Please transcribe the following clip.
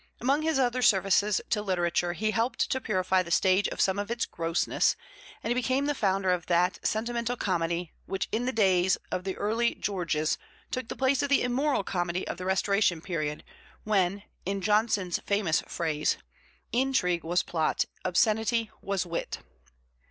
Among his other services to literature he helped to purify the stage of some of its grossness, and he became the founder of that sentimental comedy which in the days of the early Georges took the place of the immoral comedy of the Restoration period, when, in Johnson's famous phrase, Intrigue was plot, obscenity was wit.